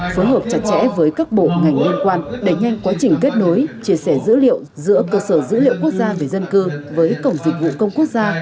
phối hợp chặt chẽ với các bộ ngành liên quan đẩy nhanh quá trình kết nối chia sẻ dữ liệu giữa cơ sở dữ liệu quốc gia về dân cư với cổng dịch vụ công quốc gia